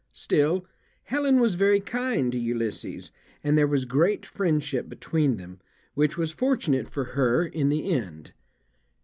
Still, Helen was very kind to Ulysses, and there was great friendship between them, which was fortunate for her in the end.